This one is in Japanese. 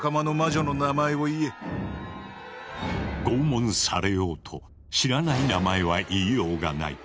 拷問されようと知らない名前は言いようがない。